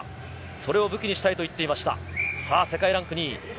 それを武器にしたいと言っていました。